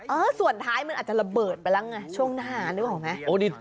ส่วนท้ายมันอาจจะระเบิดไปแล้วไงช่วงหน้านึกออกไหม